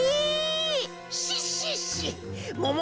シッシッシもも